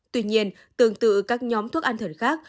tuy nhiên tương tự các nhóm thuốc an thần khác